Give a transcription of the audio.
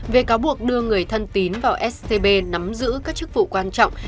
về cáo buộc đưa người thân tín vào scb nắm giữ các chức vụ quan trọng